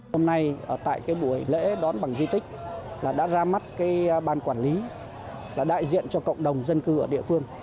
hôm nay tại cái buổi lễ đón bằng di tích là đã ra mắt ban quản lý là đại diện cho cộng đồng dân cư ở địa phương